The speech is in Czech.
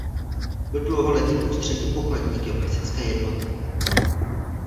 Byl dlouholetým ústředním pokladníkem hasičské jednoty.